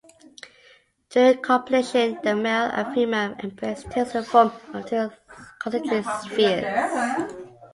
During copulation the male and female embrace takes the form of two concentric spheres.